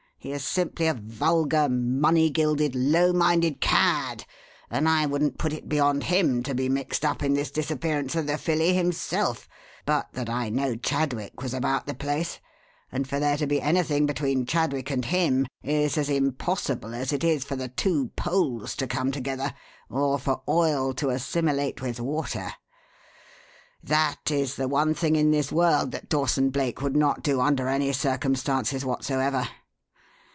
He is simply a vulgar, money gilded, low minded cad, and I wouldn't put it beyond him to be mixed up in this disappearance of the filly himself but that I know Chadwick was about the place; and for there to be anything between Chadwick and him is as impossible as it is for the two poles to come together, or for oil to assimilate with water. That is the one thing in this world that Dawson Blake would not do under any circumstances whatsoever.